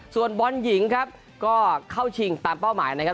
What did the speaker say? ส่วนบอลหญิงครับก็เข้าชิงตามเป้าหมายนะครับ